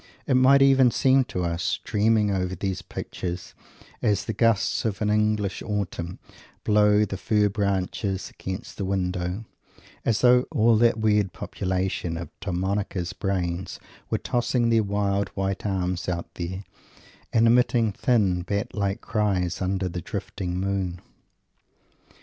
It might even seem to us, dreaming over these pictures as the gusts of an English autumn blow the fir branches against the window, as though all that weird population of Domenico's brain were tossing their wild, white arms out there and emitting thin, bat like cries under the drifting moon.